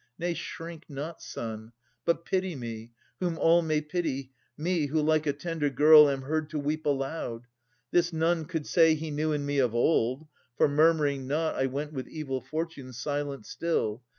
Nay, shrink not, son, but pity me, whom all May pity me, who, like a tender girl, Am heard to weep aloud! This none could say He knew in me of old; for, murmuring not, I went with evil fortune, silent still.